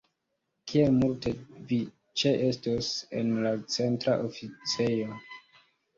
Kiel multe vi ĉeestos en la Centra Oficejo?